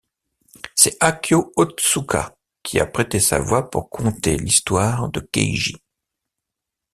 C'est Akio Ōtsuka qui a prêté sa voix pour conter l'histoire de Keiji.